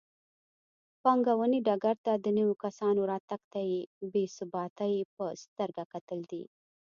پانګونې ډګر ته د نویو کسانو راتګ ته بې ثباتۍ په سترګه کتل کېدل.